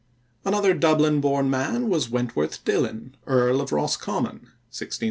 Another Dublin born man was Wentworth Dillon, Earl of Roscommon (1633 1684).